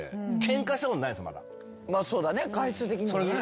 そうだね回数的にはね。